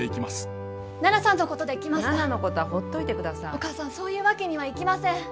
お母さんそういうわけにはいきません。